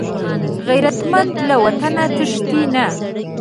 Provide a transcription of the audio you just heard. غیرتمند له وطنه تښتي نه